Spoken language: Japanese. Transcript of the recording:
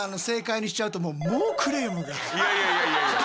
いやいやいやいや。